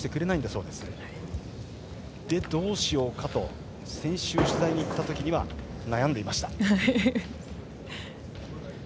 そこでどうしようかと先週、取材に行ったときには悩んでいました。